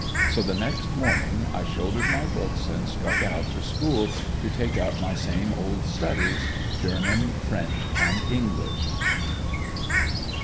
So the next morning I shouldered my books and struck out for school to take up my same old studies, German, French and English.